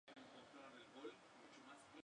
Su "chef-lieu" es la ciudad de Beaune.